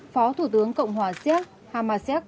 phó thủ tướng cộng hòa siếc hamasek